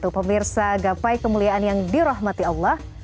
pemirsa gapai kemuliaan yang dirahmati allah